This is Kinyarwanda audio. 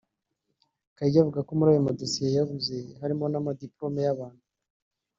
Kayigi avuga ko muri ayo madosiye yabuze harimo n’amadipolome y’abantu